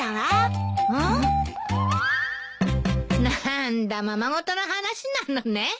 何だままごとの話なのね。